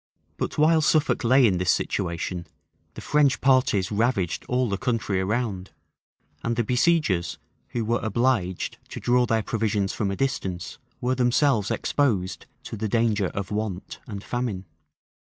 {1429.} But while Suffolk lay in this situation, the French parties ravaged all the country around; and the besiegers, who were obliged to draw their provisions from a distance were themselves exposed to the danger of want and famine.